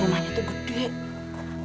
rumahnya tuh gede